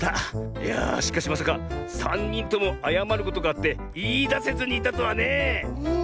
いやしかしまさかさんにんともあやまることがあっていいだせずにいたとはね。うん。